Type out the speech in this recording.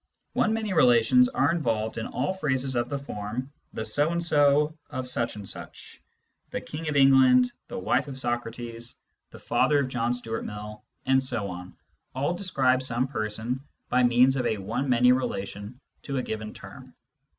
One many relations are involved in all phrases of the form " the so and so of such and such." " The King of England," \d Introduction to Mathematical Philosophy " the wife of Socrates," " the father of John Stuart Mill," and so on, all describe some person by means of a one many relation to a given term.